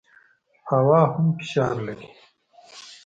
هوا هم فشار لري.